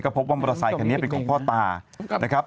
พบว่ามอเตอร์ไซคันนี้เป็นของพ่อตานะครับ